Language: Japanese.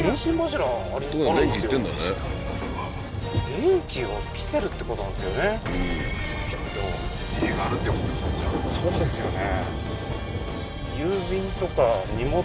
電気が来てるってことなんですよねきっと家があるっていうことですねじゃあそうですよね